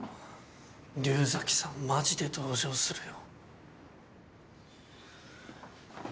竜崎さんマジで同情するよ。